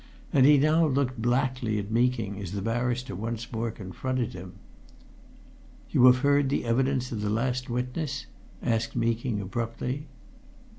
And he now looked blackly at Meeking as the barrister once more confronted him. "You have heard the evidence of the last witness?" asked Meeking abruptly.